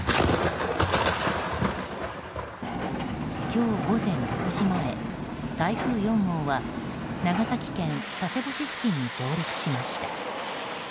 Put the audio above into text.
今日午前６時前台風４号は長崎県佐世保市付近に上陸しました。